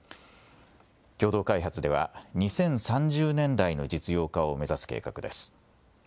共同開発では２０３０年代の実用化を目指す計画です。